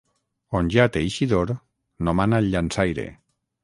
On hi ha teixidor no mana el llançaire.